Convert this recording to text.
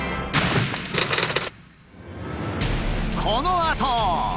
このあと。